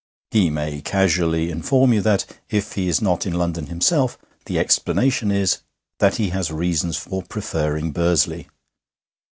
He may casually inform you that, if he is not in London himself, the explanation is that he has reasons for preferring Bursley.